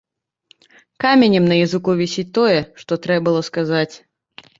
Каменем на языку вісіць тое, што трэ было б сказаць.